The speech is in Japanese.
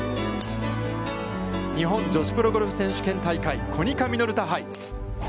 日本女子プロゴルフ選手権大会コニカミノルタ杯。